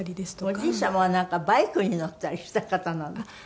おじい様はなんかバイクに乗ったりした方なんですって？